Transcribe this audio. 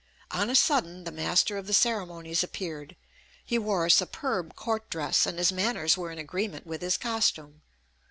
On a sudden the master of the ceremonies appeared; he wore a superb court dress, and his manners were in agreement with his costume.